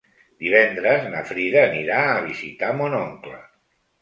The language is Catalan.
Divendres na Frida anirà a visitar mon oncle.